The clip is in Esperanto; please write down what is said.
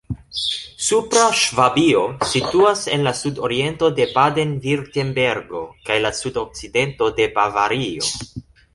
Supra Ŝvabio situas en la sudoriento de Baden-Virtembergo kaj la sudokcidento de Bavario.